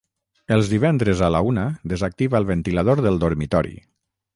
Els divendres a la una desactiva el ventilador del dormitori.